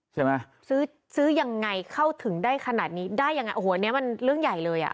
ซื้อยังไงเข้าถึงได้ขนาดนี้ได้ยังไงโหวันนี้มันเรื่องใหญ่เลย